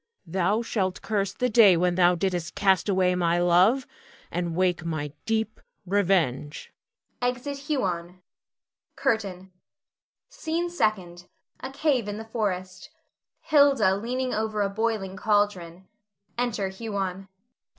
Thou shalt curse the day when thou didst cast away my love, and wake my deep revenge. [Exit Huon. CURTAIN. SCENE SECOND. [A cave in the forest. Hilda leaning over a boiling caldron. Enter Huon.